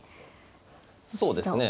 そうですね。